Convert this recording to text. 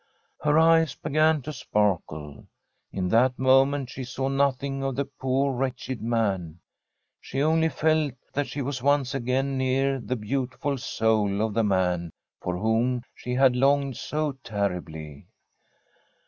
Her eyes began to sparkle. In that moment she saw nothing of the poor wretched man. She only felt that she was once again near the beau tiful soul of the man for whom she had longed so terribly.